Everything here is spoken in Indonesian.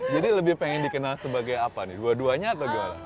jadi lebih pengen dikenal sebagai apa nih dua duanya atau gak